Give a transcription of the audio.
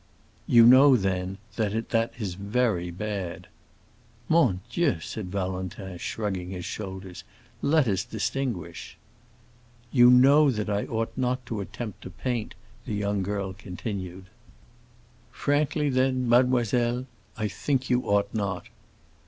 "You know, then, that that is very bad." "Mon Dieu," said Valentin, shrugging his shoulders "let us distinguish." "You know that I ought not to attempt to paint," the young girl continued. "Frankly, then, mademoiselle, I think you ought not."